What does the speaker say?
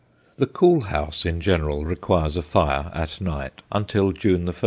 The cool house, in general, requires a fire, at night, until June 1.